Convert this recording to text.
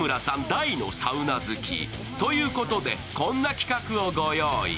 大のサウナ好き。ということでこんな企画をご用意。